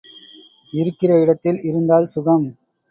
இருக்கிற இடத்தில் இருந்தால் சுகம்.